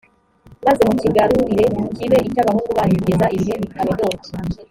maze mucyigarurire kibe icy abahungu banyu kugeza ibihe bitarondoreka